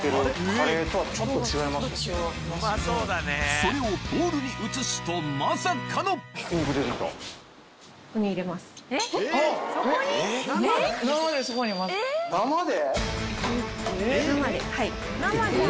それをボウルに移すとまさかの生で？